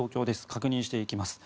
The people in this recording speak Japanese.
確認していきます。